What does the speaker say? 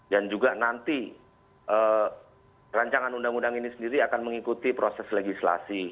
dan juga nanti rancangan undang undang ini sendiri akan mengikuti proses legislasi